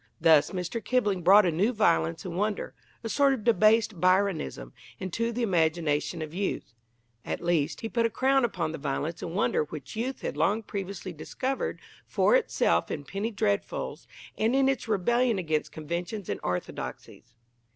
Thus Mr. Kipling brought a new violence and wonder, a sort of debased Byronism, into the imagination of youth; at least, he put a crown upon the violence and wonder which youth had long previously discovered for itself in penny dreadfuls and in its rebellion against conventions and orthodoxies.